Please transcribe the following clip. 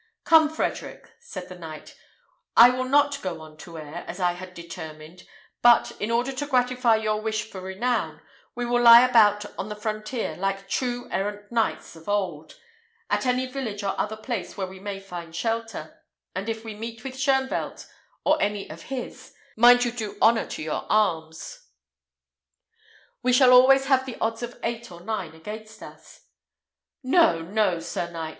"Come, Frederick," said the knight, "I will not go on to Aire, as I had determined; but, in order to gratify your wish for renown, we will lie about on the frontier, like true errant knights of old, at any village or other place where we may find shelter; and if we meet with Shoenvelt, or any of his, mind you do honour to your arms. We shall always have the odds of eight or nine against us." "No, no, sir knight!"